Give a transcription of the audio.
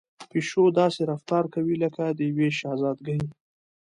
پيشو داسې رفتار کوي لکه د يوې شهزادګۍ.